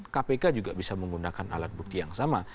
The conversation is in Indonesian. kpk juga bisa menggunakan alat bukti yang sama